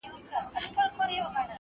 چپ سه دا خبر حالات راته وايي~